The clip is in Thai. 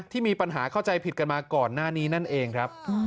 ที่มีปัญหาเข้าใจผิดกันมาก่อนหน้านี้นั่นเองครับ